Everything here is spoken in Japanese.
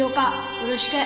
よろしく